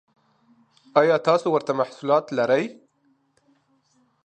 ایا تاسو ورته محصولات لرئ؟